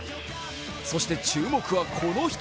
そして注目はこの人。